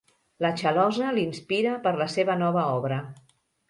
La Chalossa l'inspira per la seva nova obra.